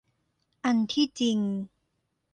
อันที่จริง